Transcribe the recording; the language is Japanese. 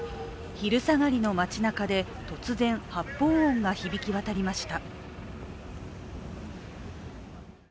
昼下がりの街なかで突然、発砲音が響きわたりました。